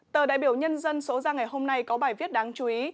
tờ đại biểu nhân dân số ra ngày hôm nay có bài viết đáng chú ý